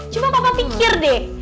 cuma papa pikir deh